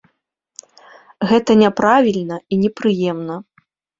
Гэта няправільна і непрыемна.